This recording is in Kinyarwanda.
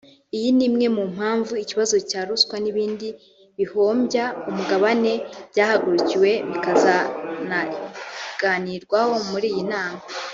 Iyi ni imwe mu mpamvu ikibazo cya ruswa n’ibindi bihombya umugabane byahagurukiwe bikazanaganirwaho muri iyi nama